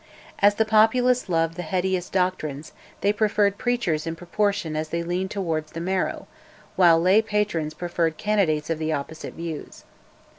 As the populace love the headiest doctrines, they preferred preachers in proportion as they leaned towards the Marrow, while lay patrons preferred candidates of the opposite views.